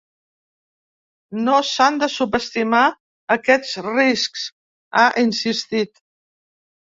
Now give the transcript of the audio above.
“No s’han de subestimar, aquests riscs”, ha insistit.